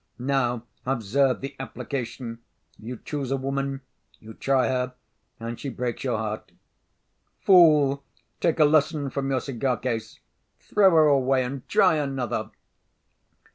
Now observe the application! You choose a woman, you try her, and she breaks your heart. Fool! take a lesson from your cigar case. Throw her away, and try another!"